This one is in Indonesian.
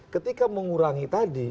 ketika mengurangi tadi